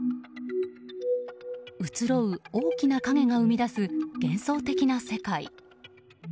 うつろう大きな影が生み出す幻想的な世界。